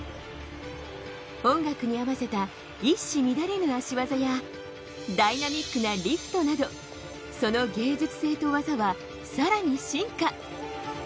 音楽に合わせた一糸乱れぬ足技がダイナミックなリフトなどその芸術性と技はさらに進化。